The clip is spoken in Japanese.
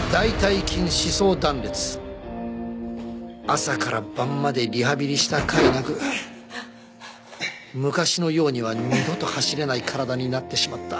朝から晩までリハビリしたかいなく昔のようには二度と走れない体になってしまった。